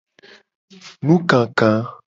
Nukaka.